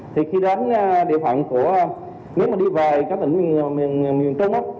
thì khi đến địa phận của nếu mà đi về các tỉnh miền trâu mốc